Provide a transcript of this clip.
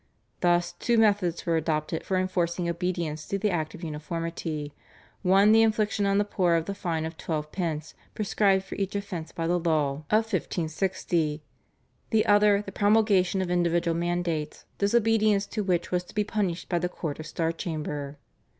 Thus, two methods were adopted for enforcing obedience to the Act of Uniformity, one the infliction on the poor of the fine of twelve pence prescribed for each offence by the law of 1560, the other, the promulgation of individual mandates, disobedience to which was to be punished by the Court of Star Chamber.